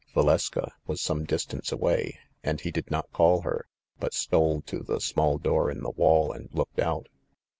Valeska was some distance away, and he did not call her, but stole to the small door in the wall and looked out.